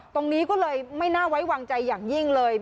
ตรงนี้ก็เลยไม่น่าไว้วางใจอย่างยิ่งเลย